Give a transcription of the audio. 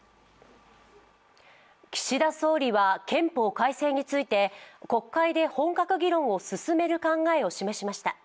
岸田総理は憲法改正について国会で本格議論を進める考えを示しました。